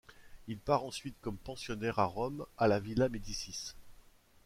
Il part ensuite comme pensionnaire à Rome à la villa Médicis.